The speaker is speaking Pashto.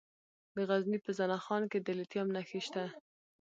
د غزني په زنه خان کې د لیتیم نښې شته.